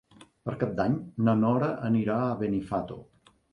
Per Cap d'Any na Nora anirà a Benifato.